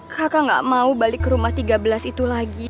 kakak gak mau balik ke rumah tiga belas itu lagi